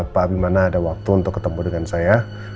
pak abi mana ada waktu untuk ketemu dengan saya